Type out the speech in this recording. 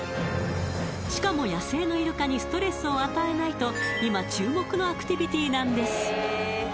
しかも「野生のイルカにストレスを与えない」と今注目のアクティビティーなんです